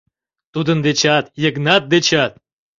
Тудын дечат, Йыгнат дечат.